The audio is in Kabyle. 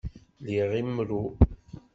Liɣ imru.